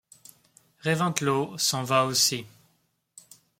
Reventlow s'en va aussi.